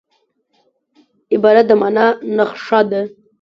عبارت د مانا نخښه ده.